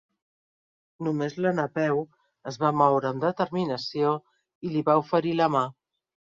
Només la Napeu es va moure amb determinació i li va oferir la mà.